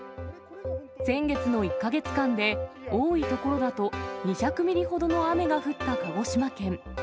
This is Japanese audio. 先月の１か月間で、多い所だと２００ミリほどの雨が降った鹿児島県。